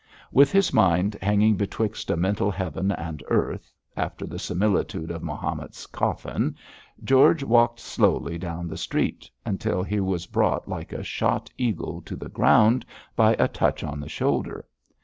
With his mind hanging betwixt a mental heaven and earth, after the similitude of Mahomet's coffin, George walked slowly down the street, until he was brought like a shot eagle to the ground by a touch on the shoulder.